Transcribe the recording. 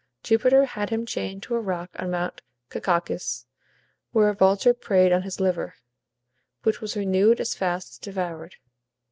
Jupiter had him chained to a rock on Mount Caucasus, where a vulture preyed on his liver, which was renewed as fast as devoured.